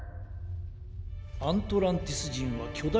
アントランティスじんはきょだ